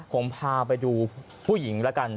ผมพาไปดูผู้หญิงแล้วกัน